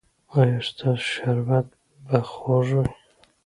ایا ستاسو شربت به خوږ وي؟